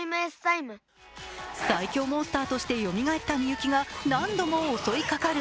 最凶モンスターとしてよみがえった美雪が何度も襲いかかる。